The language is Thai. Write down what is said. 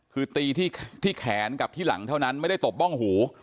คือตีที่แขนกับที่หลังเท่านั้นไม่ได้ตบบ้องหู